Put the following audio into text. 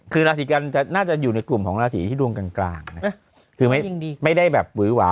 คือราศีกันน่าจะอยู่ในกลุ่มของราศีที่ดวงกลางนะคือไม่ได้แบบหวือหวา